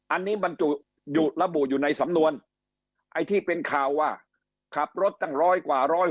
อันนี้มันจุดลบู่อยู่ในสำนวนไอที่เป็นข่าวว่าขับรถตั้งร้อยกว่า